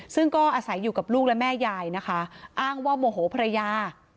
ซึ่งก็อาศัยอยู่กับลูกและแม่ยายนะคะอ้างว่าโมโหภรรยา